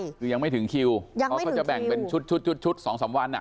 คือยังไม่ถึงคิวยังไม่ถึงคิวเพราะเขาจะแบ่งเป็นชุดสองสามวันอะ